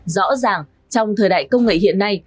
rõ ràng trong thời đại công nghệ hiện nay